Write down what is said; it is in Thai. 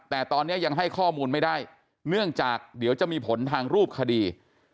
แต่ตอนนี้ยังให้ข้อมูลไม่ได้เนื่องจากเดี๋ยวจะมีผลทางรูปคดี